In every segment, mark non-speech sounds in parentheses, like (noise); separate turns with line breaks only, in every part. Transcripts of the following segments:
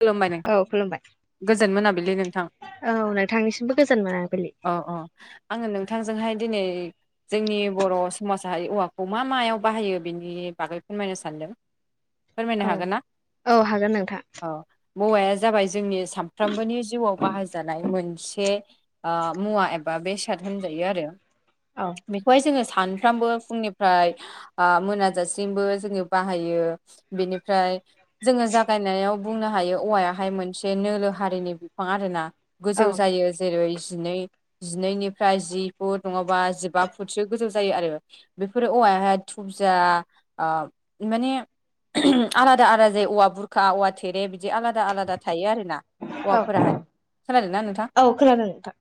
खुलुमबाय न
औ खुलुमबाय
गोजोन मोनाबिलै नोंथां‌।
औ नोंथांनिसिमबो गोजोन मोनाबिलि
अ अ आङो नोंथांजोंहाय दिनै जोंनि बर' समाजारि औवाखौ मा मायाव बाहायो बेनि बागै फोरमायनो सानदों।
(inaudible)
फोरमायनो हागोन ना?
औ हागोन नोंथाङ।
औ मौवाया जाबाय जोंनि सानफ्रामबोनि जिउआव बाहायजानाय मोनसे मुवा एबा बेसाद होनजायो आरो।
औ
बेहाय जोङो सानफ्रामबो फुंनिफ्राय मोनाजासिमबो जोङो बाहायो। बेनिफ्राय जोङो जागायनायाव बुंनो हायो औवायाहाय मोनसे नोलो हारिनि बिफां आरोना
औ
गोजौ जायो। जेरै जिनै जिनैनिफ्राय जि फुट नङाबा जिबा फुटसो गोजौ जायो आरो। बेफोरो औवाहाय थुबजा माने। आलादा आलादा जाय औवा बुरखा औवा थेरे बिदि आलादा आलादा थायो आरो ना।
औ
औौवाफोराहाय सालायला नोंथां।
औ खोनादों नोंथां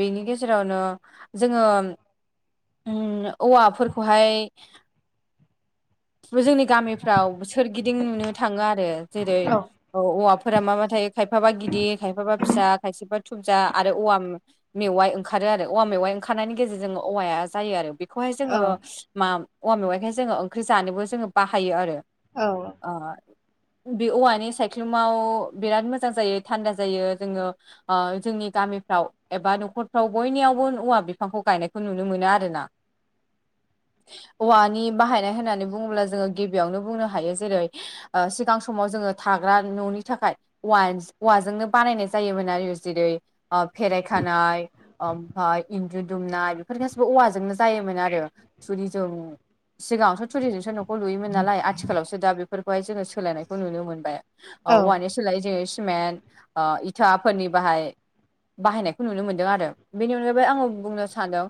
बेनि गेजेरावनो जोङो औवाफोरखौहाय। जोंनि गामिफ्राव सोरगिदिं नुनो थाङो आरो जेरै
औ
औवा। फोर माबा थायो खायफाबा गिदिर खायफाबा फिसा खायफाबा थुबजा आरो औवाम। मेवाइ ओंखारो आरो औवाेवाइ ओंखारनायनि गेजेरजों औवाया जायो आरो बे। खौहाय जोङो
औ
मा औवा मेवाइखाय जोङो ओंख्रि जानोबो जोङो बाहायो आरो।
औ।
अ। बे औवानि सायख्लुमाव बिराद मोजां जायो थान्दा जायो जोङो। जोंनि गामिफ्राव एबा न'खरफ्राव बयनियावबो औवा बिफांखौ गायनायखौ नुनो मोनो आरो ना।
(inaudible)
औवानि बाहायनाय होननानै बुङोब्ला जोङो गिबियावनो बुंनो हायो जेरै। सिगां। समाव जोङो थाग्रा न'नि थाखाय औव औवाजोंनो बानायनाय जायोमोन आरो जेरै। फेरायखानाय। ओमफ्राय इन्न्दु दुमनाय बेफोर गासैबो औवाजोंनो जायोमोन आरो थुरिजों। सिगाङावस' थुरिजोंसो न'खौ लुयोन नालाय आथिखालावसो दा बेफोरखौहायोङो सोलायनाय। खौ नुनो मोनबाय
औ
औवानि सोलाय जोङो सिमेन्ट इथाफोरनि बाहाय। बाहायनायखौ नुनो मोनदों आरो बेनि अनगायैबो आङो बुंनो सानदों।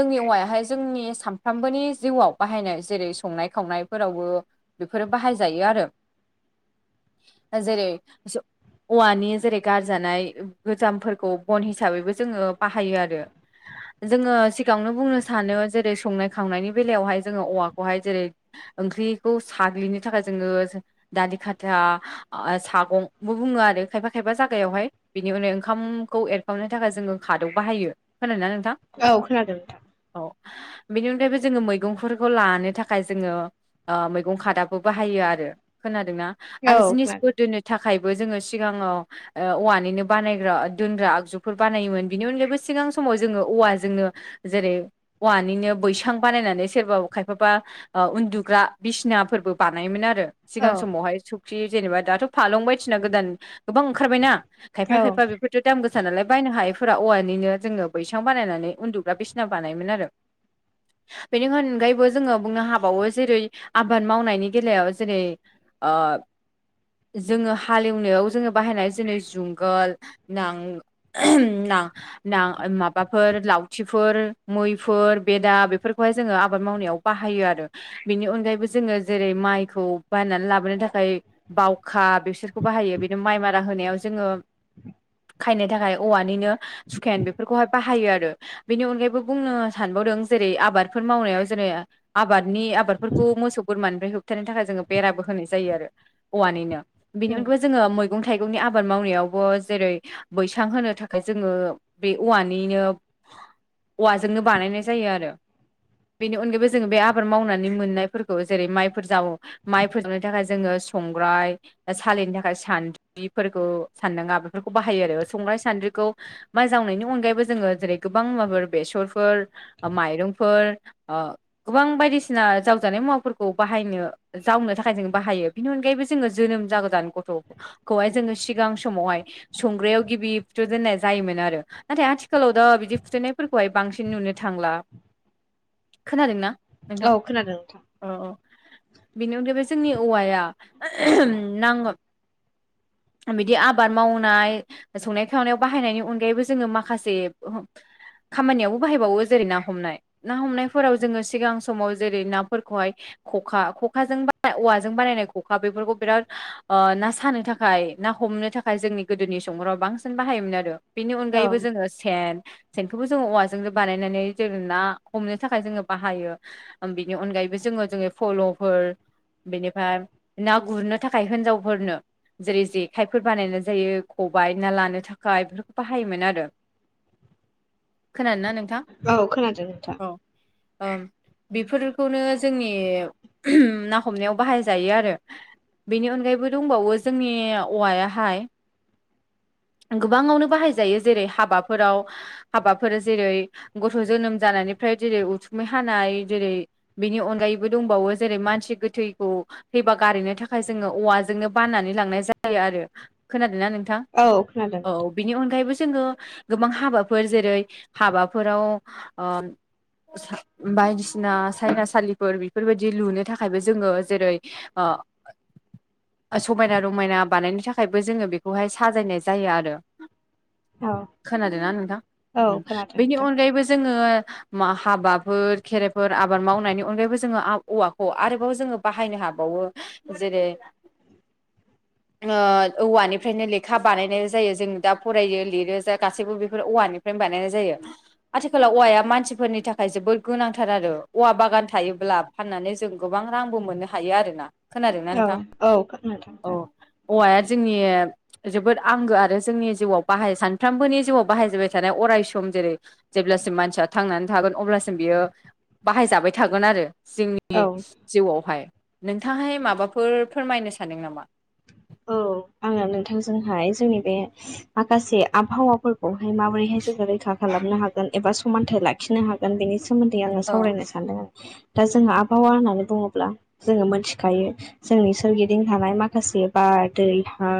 जोंनि औवायाहाय जोंनि सानफ्रामबोनि जिउआव बाहायनाय जेरै संनाय खावनायफोरावबो। बेफोरो बाहायजायो आरो। जेरै। औवानि जेरै गारजानाय गोजामफोरखौ बन हिसाबैबो जोङो बाहायो आरो। जोङो सिगाङावनो बुंनो सानो जेरै संनाय खावनायनि बेलायावहाय जोङो औवाखौहाय जेरै। ओंख्रिखौ साग्लिनो थाखाय जोङो दानि खाथिा। सागंबो बुङो आरो खायफा खायफा जायगायावहाय। बिनि उनाव ओंखामखौ एरखाबनो थाखाय जोङो खादौ बाहायो ख ना नोंथां।
औ खोनादों।
औ बेनि अनगायैबो जोङो मैगंफोरखौ लानो थाखाय जोङो। मैगं खादाबो बाहायो आरो खोनादोंना
औ
आरो जिनिसफोर
खोनादों
दोनो। थाखायबो जोङो सिगाङाव। औवानिनो बानायग्रा दोनग्रा आगजुफोर बानायोमोन बिनि अनगायैबो सिगां समाव जोङो औवाजोंनो। जेरै औवानिनो बैसां बानायनानै सोरबा खायफाबा। उन्दुग्रा बिसिनाफोरबो बानायोमोन आरो। सिगां
औ
समावहाय सुखि जेनेबा दाथ' फालं बायदिना गोदान गोबां ओंखारबायना। खायफा
औ
खायफा बेफोर। थु दाम गोसा नालाय बायनो हायैफोरा औवानिनो जोङो बैसां बानायनानै उन्दुग्रा बिसिना बानायोमोन आरो।
(inaudible)
बेनि अनगायैबो जोङो बुंनो हाबावो जेरै आबाद मावनायनि बेलायाव जेरै। आरो। जोङो हालेवनायाव जोङो बाहायनाय जेरै जुंगाल नांग। न। ना माबाफोर लावथिफोर मैफोर बेदा बेफोरखौहाय जोङो आबाद मावनायाव। बाहायो आरो बेनि अनगायैबो जोङो जेरै माइखौ। बायनानै लाबोनो थाखाय बावखा बेसोरखौ बाहायो बिदिनो माइ मारा होनायाव जोङो। खायनो थाखाय औवानिनो सुखेन बेफोरखौहाय बाहायो आरो। बेनि अनगायैबो बुंनो सानबावदों जेरै आबादफोर मावनायाव जेरै। आबादनि आबादफोरखौ मोसौ बोरमानिफ्राय होबथानो थाखाय जोङो। बेराबो होनाय जायो आरो औवानिनो बेनि
उम
अनगायबो जोङो म। मैगं थाइगंनि आबाद मावनायावबो जेरै। बैसां होनो थाखाय जोङो बे औवानिनो औवाजोंनो बानायनाय जायो आरो। बेनि अनगायैबो जोंङो बे आबाद मावनानै मोननायफोरखौ जेरै माइफोर जावो माइफोर जावनो थाखाय जोङो संग्राय सालिनो थाखाय सान्द्रिफोरखौ सान्दांगा बेफोरखौ बाहायो आरो संग्राय सान्द्रिखौ माइ जावनायनि अनगायैबो जोङो जेरै गोबां माबाफोर बेसरफोर माइरंफोर गोबां बायदिसिना जावजानाय मुवाफोरखौ बाहायनो। जावनो थाखाय जों बाहायो बिनि अनगायैबो जोङो जोनोम जागोदान गथ' खौहाय जोङो सिगां समावहाय संग्रायाव गिबिथ' दोननाय जायोमोन आरो। नाथाय आथिखालाव दा बिदि फुथुनायफोरखौहाय बांसिन नुनो थांला खोनादोंना
औ खोनादों नोंथां।
अ अ बेनि अनगायैबो जोंनि औवाया नांगो बिदि आबाद मावनाय। संनाय खावनायाव बाहायनायनि अनगायैबो जोङो माखासे ओहो खामानियावबो बाहायबावो जेरै ना हमनाय। ना हमनायफोराव जोङो सिगां समाव जेरै नाफोरखौहाय खखा ख खाजों बा औवाजों बानायनाय खखा बेफोरखौ बेराद ओ ना सानो थाखाय ना हमनो थाखाय जोंनि गोदोनि समफोराव बांसिन बाहायोमोन आरो। बिनि
औ
अनगायैबो जोङो सेन सेनखौबो जोङो औवाजों बानायनानै जों ना हमनो थाखाय जोङो बाहायो‌। ओम बेनि अनगायैबो जोङो जोङो फल' फोर बेनिफाय ना गुरनो थाखाय होनजावफोरनो जेरै जेखायफोर बानायनाय जायो खबाइ ना लानो थाखाय बेफोरखौ बाहायोमोन आरो।
(inaudible)
खोनादोंना नोंथां?
औ खोनादों नोंथां।
औ ओम बेफोरखौनो जोंनि ना हमनायाव बाहायजायो आरो। बेनि अनगायैबो दंबावो जोंनि औवायाहाय गोबाङावनो बाहाय जायो जेरै हाबाफोराव हाबाफोर जेरै गथ' जोनोम जानायनिफ्राय जेरै उथुमाय हानाय जेरै बिनि अनगायैबो दंबावो जेरै मानसि गोथैखौ थैबा गारहैनो थाखाय जोङो औवाजोंनो बाननानै लांनाय जायो आरो। खोनादोना नोंथां?
औ खोनादों
औ
नोंथां
बिनि अनगायैबो जोङो गोबां हाबाफोर जेरै हाबाफोराव ओ असा बायदिसिना सायनासालिफोर बेफोरबायदि दि लुनो थाखायबो जोङो जेरै ओ समायना रमायना बानायनो थाखायबो जोङो बेखौहाय साजायनाय जायो आरो।
औ
खोनादोंना नोंथां?
औ
उम
खोनादों
बिनि
नोंथां
अनगायैबो जोङो मा हाबाफोर खेराइफोर आबाद मावनायनि अनगायैबो जोङो आ औवाखौ आरोबाव जोङो बाहायनो हाबावो। जेरै
(inaudible)
ओ औवानिफ्रायनो लेखा बानायनाय जायो जों दा फरायो लिरो जा गासैबो बेफोर औवानि फ्रायनो बानायनाय जायो। आथिखालाव औवाया मानसिफोरनि थाखाय जोबोद गोनांथार आरो। औवा बागान थायोब्ला फाननानै जों गोबां रांबो मोननो हायो आरोना। खोनादोंना नोंथां?
औ औ
औ।
नोंथां
औवाया जोंनि जोबोद आंगो आरो जोंनि जिउआव बाहाय सानफ्रोमबोनि जिउआव बाहायजाबाय थानाय अराय सम जेरै जेब्लासिम मानसिया थांनानै थागोन अब्लासिम बियो बाहाय जाबाय थागोन आरो। जोंनि
औ
जिउआवहाय नोंथांहाय माबाफोर फोरमायनो सानदों नामा?
औ आङो नोंथांजोंहाय जोंनि बे माखासे आबहावाफोरखौहाय माबोरैहाय जोङो रैखा खालामनो हागोन एबा समानथाइ लाखिनो हागोन बेनि सो मोन्दै आङो
औ
सावरायनो सानदों। दा जोङो आबहावा होननानै बुङोब्ला जोङो मोनथिखायो जोंनि सोरगिदिं थानाय माखासे बार, दै, हा,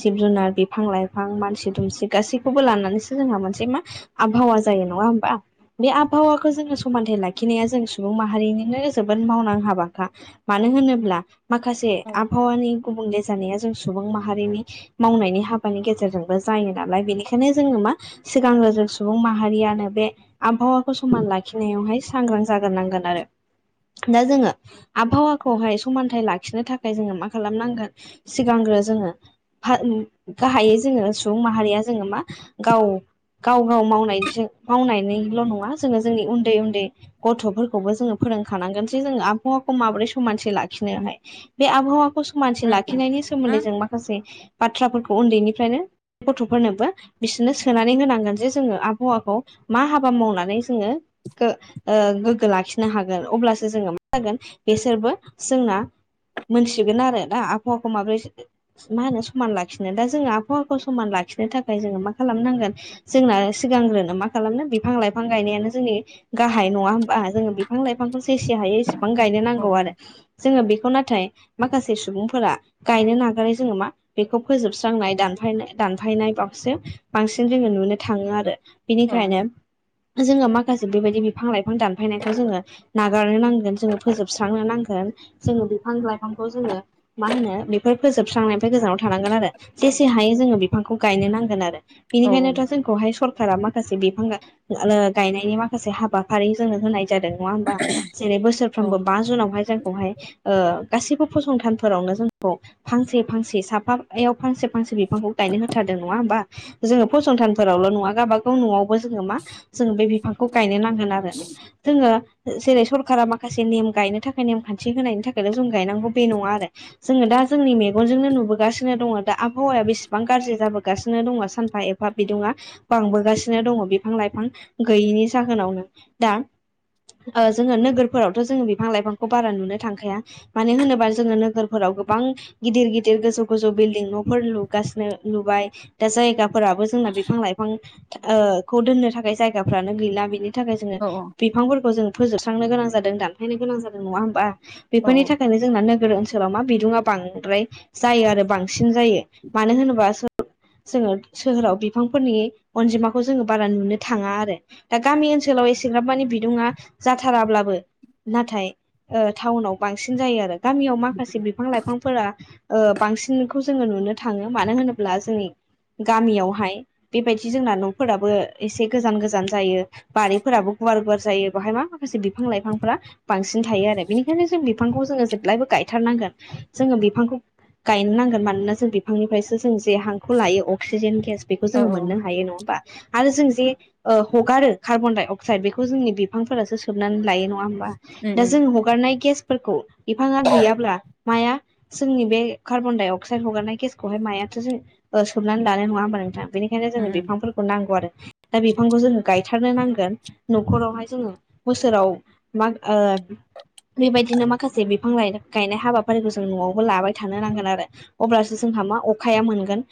जिब जुनार, बिफां लाइफां, मानसि दुमसि, गासैखौबो लानानैसो जोंहा मोनसे मा आबहावा जायो नङा होमबा? बे आबहावाखौ जोङो समानथाइ लाखिनाया जों सुबुं माहारिनिनो जोबोद मावनां हाबाखा। मानो होनोब्ला माखासे
औ
आबहावानि गुबुंले जानाया जों सुबुं माहारिनि मावनायनि हाबानि गेजेरजोंबो जायो नालाय बिनिखायनो जोङो मा सिगांङो जों सुबुं माहारियानो बे आबहावाखौ समान लाखिनायावहाय सांग्रां जाग्रोनांगोन आरो दा जोङो आबहावाखौहाय समानथाइ लाखिनो थाखाय जोङो मा खालामनांगोन सिगांग्रो जोङो फा गाहायै जोङो सुबुं माहारिया जोङो मा गाव गाव गाव मावनायजों मावनानैनिल' नङा जोङो जोंनि उन्दै उन्दै गथ'फोरखौबो जोङो फोरोंखानांगोनसे जोङो आबहावाखौ माबोरै समानसि लाखिनोहाय। बे आबहावाखौ समानथि
उम
लाखिनायनि सोमोन्दै
उम
जों माखासे बाथ्राफोरखौ उन्दैनिफ्रायनो गथ'फोरनोबो बिसोरनो सोनानै होनांगोन जे जोङो आबहावाखौ मा हाबा मावनानै जोङो ओ गोगो लाखिनो हागोन अब्लासो जोङो मा जागोन बिसोरबो जोंना मोनथिगोन आरोना आबहावाखौ माब्रै मा होनो समान लाखिनो दा जोङो आबहावाखौ समान लाखिनो थाखाय जोङो मा खालामनांगोन जोंना सिगांग्रोनो मा खालामनो बिफां लाइफां गायनायानो जोंनि गाहाय नङा होमबा जोङो बिफां लाइफांखौ जेसे हायो एसे गोबां गायनो
हो
नांगौ आरो जोङो बेखौ नाथाय माखासे सुबुंफोरा गायनो नागारै जोङो मा बेखौ फोजोबस्रांनाय दानफायनाय दानफायनाय बावसो बांसिन जोङो नुनो थाङो आरो।
औ
बिनिखायनो जोङो माखासे बेबायदि बिफां लाइफां दानफायनायखौ जोङो नागारनो नांगोन जोङो फोजोबस्रांनो नांगोन। जोङो बिफां लाइफांखौ जोङो मा होनो बेफोर फोजोबस्रांनायनिफ्राय गोजानाव थानांगोन आरो जेसे हायो जोङो बिफांखौ गायनो नांगोन आरो।
औ
बिनिखायनोथ' जोंखौहाय सरकारा माखासे बिफां ओ गायनायनि माखासे हाबाफारि जोंनो होनाय जादों नङा होमबा जेरै बोसोर
औ
फ्रोमबो बा जुनावहाय जोंखौहाय ओ गासिबो फसंथान फोरावनो जोंखौ फांसे फांसे साफायाव फांसे फांसे बिफांखौ गायनो होथारदों नङा होमबा। जोङो फसंथानफोरावल' नङा गावाबागाव न'आवबो जोङो मा जोङो बे बिफांखौ गायनो नांगोन आरो। जोङो जेरै सरखारा माखासे नेम गायनो थाखाय नेमखान्थि होनायनि थाखायल' जों गायनांगौ बे नङा आरो। जोङो दा जोंनि मेगनजोंनो नुबोगासिनो दङ दा आबहावाया बेसेबां गाज्रि जाबोगासिनो दङ सानफा एफा बा बिदुुंआ बांबोगासिनो दङ बिफां लाइफां गैयिनि जाहोनावनो दा ओ जोङो नोगोरफोराव थ' जोंङो बिफां लाइफांखौ बारा नुनो थांखाया मानो होनोबा जोङो नोगोर फोराव गोबां गिदिर गिदिर गोजौ गोजौ बिल्डिं न'फोर लुगासिनो लुबाय दा जायगाफोराबो जोंना बिफां लाइफां ओ खौ दोननो थाखाय जायगाफ्रानो गैला बिनि थाखाय जोङो
औ
बिफांफोरखौ जों फोजोबस्रांनो गोनां जादों दानफायनो गोनां जादों नङा होमबा
औ
बेफोरनि थाखाय जोंना नोगोर ओनसो लाव मा बिदुंआ बांद्राय जायो आरो बांसिन जायो। मानो होनोबा जोङो सोहोराव बिफांफोरनि अनजिमाखौ जोङो बारा नुनो थाङा आरो दा गामि ओनसोलाव एसेग्राब माने बिदुङा जाथाराब्लाबो नाथाय ओ टाउनाव बांसिन जायो आरो गामियाव माखासे बिफां लाइफांफोरा ओ बांसिनखौ जोङो नुनो थाङो मानो होनोब्ला जोंनि गामियावहाय बेबायदि जोंना न'फोराबो एसे गोजान गोजान जायो। बारिफोराबो गुवार गुवार जायो बेहाय मा माखासे बिफां लाइफांफोरा बांसिन थायो आरो बेनिखायनो जों बिफांखौ जोङो जेब्लायबो गायथारनांगोन जोङो बिफांखौ गायनो नांगोन मानोना जों बिफांनिफ्रायसो जों जे हांखौ लायो अक्सिजेन गेस बेखौ
औ
जोङो
औ
मोननो हायो नङा होमबा आरो जों जे हगारो कार्बन डाइ अक्साइद बेखौ जोंनि बिफांफोरासो सोबनानै लायो नङा होम
उम
दा
उम
जों हगारनाय गेसफोरखौ बिफाङा गैयाब्ला माया जोंनि बे कार्बन डाइ अक्साइड हगारनाय गेसखौहाय मायाथ'सो सोमनानै लानाय नङा होमबा नोंथां? बेनि बेखायनो
औ
जोङो
उम
बिफांफोरखौ नांगौ आरो। दा बिफांखौ जोङो गायथारनो नांगोन। न'खरावहाय जोङो बोसोराव माइ ओ बेबायदिनो माखासे बिफां लइ गायनाय हाबाफारिखौ जों न'आवबो लाबाय थानो नांगोन आरो अब्लासो जोंहा मा अखाया मोनगोन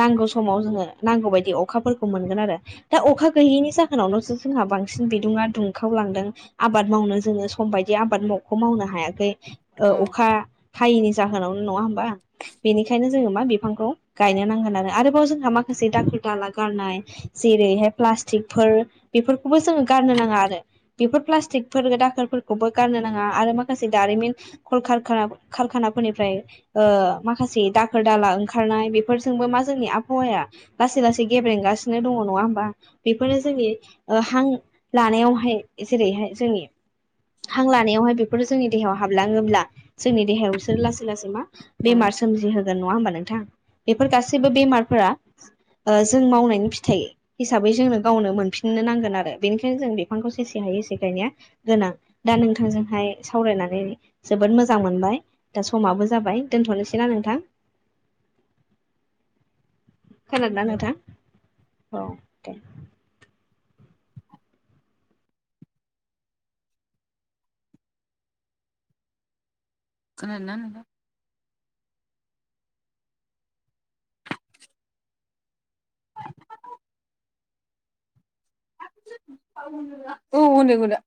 नांगौ समाव जोङो नांगौ बायदि अखाफोरखौ मोनगोन आरो दा अखा गैयैनि जाहोनावनोसो जोंहा बांसिन बिदुङा दुंखावलांदों आबाद मावनो जोङो सम बायदि आबाद मावखौ मावनो हायाखै ओ
औ
अखा थायैनि जाहोनावनो नङा होमबा बेनिखायनो जोङो मा बिफांखौ गायनो नांगोन आरो आरोबाव जोंहा माखासे दाखोर दाला गारनाय जेरैहाय प्लास्टिकफोर बेफोरखौबो जोङो गारनो नाङा आरो बेफोर प्लास्टिकफोर दाखोरफोरखौबो गारनो नाङा आरो माखासे दारिमिन (unintelligible) कारखानाफोरनिफ्राय ओ माखासे दाखोर दाला ओंखारनाय बेफोरजोंबो मा जोंनि आबहावाया लासै लासै गेब्रेंगासिनो दङ नङा होमबा बेफोरनो जोंनि हां लानायावहाय जेरैहाय जोंनि हां लानायावहाय बेफोर जोंनि देहायाव हाबलाङोब्ला जोंनि देहायावसोर लासै लासै मा
औ
बेमार सोमजिहोगोन नङा होमबा नोंथाङा बेफोर गासैबो बेमारफोरा ओ जों मावनायनि फिथाइ हिसाबै जोंनो गावनो मोनफिननो नांगोन आरो बेनिखायनो जों बिफांखौ सेसे हाय एसे गायनाया गोनां दा नोंथांजोंहाय सावरायनानै जोबोद मोजां मोनबाय दा समाबो जाबाय दोनथ'नोसैना नोंथां खोनादों ना
औ
नोंथां ओ दे
खोनादों ना नोंथां औ होनांगौ दा